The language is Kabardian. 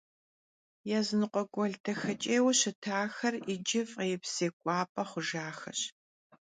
Yazınıkhue guel daxeç'êyue şıtaxer yicı f'êips zêk'uap'e xhujjaxeş.